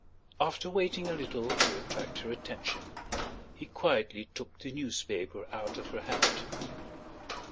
After waiting a little to attract her attention, he quietly took the newspaper out of her hand.